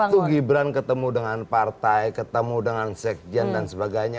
waktu gibran ketemu dengan partai ketemu dengan sekjen dan sebagainya